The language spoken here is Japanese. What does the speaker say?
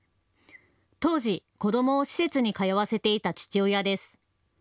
当時、子どもを施設に通わせていた父親です。